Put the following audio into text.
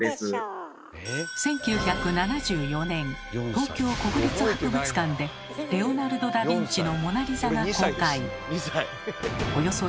東京国立博物館でレオナルド・ダビンチの「モナリザ」が公開。